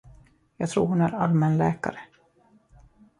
Jag tror hon är allmänläkare.